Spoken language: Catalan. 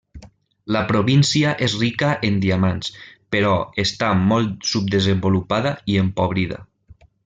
La província és rica en diamants, però està molt subdesenvolupada i empobrida.